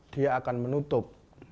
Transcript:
dia akan menutup